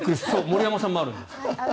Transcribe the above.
森山さんもあるんです。